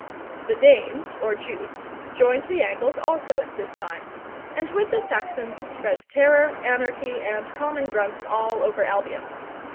The Danes or Jutes joined the Angles also at this time, and with the Saxons spread terror, anarchy, and common drunks all over Albion.